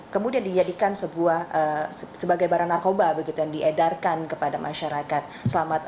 kemudian dijadikan sebuah sebagai barang narkoba begitu yang diedarkan kepada masyarakat